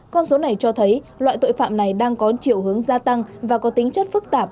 con số này cho thấy loại tội phạm này đang có chiều hướng gia tăng và có tính chất phức tạp